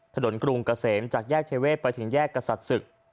กรุงเกษมจากแยกเทเวศไปถึงแยกกษัตริย์ศึก